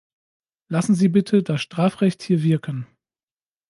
Lassen Sie bitte das Strafrecht hier wirken.